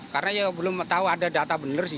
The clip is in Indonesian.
karena ya belum tahu ada data benar sih